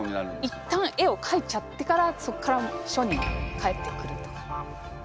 一旦絵をかいちゃってからそっから書に帰ってくるとか。